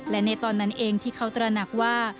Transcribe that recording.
และในตอนนั้นเองที่เขาตระหนักว่า